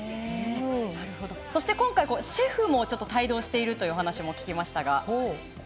そして今回シェフも帯同しているという話も聞きましたが。